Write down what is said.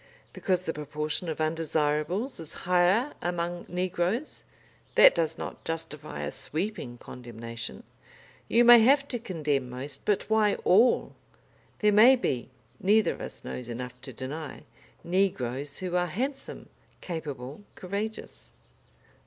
Because the proportion of undesirables is higher among negroes, that does not justify a sweeping condemnation. You may have to condemn most, but why all? There may be neither of us knows enough to deny negroes who are handsome, capable, courageous."